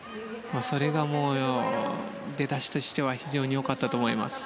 それが、出だしとしては非常に良かったと思います。